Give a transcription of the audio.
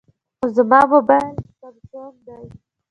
زما موبایل سامسونګ دی.